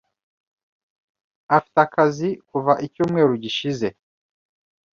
Afite akazi kuva icyumweru gishize.